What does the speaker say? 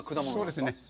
そうですね。